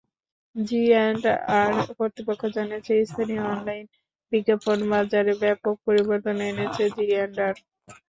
G and R কর্তৃপক্ষ জানিয়েছে, স্থানীয় অনলাইন বিজ্ঞাপন বাজারে ব্যাপক পরিবর্তন এনেছে জিঅ্যান্ডআর।